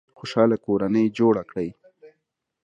خوشحاله کورنۍ جوړه کړئ